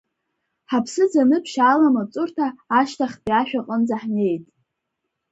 Ҳаԥсы ӡаны ԥшьаала амаҵурҭа ашьҭахьтәи ашә аҟынӡа ҳнеит.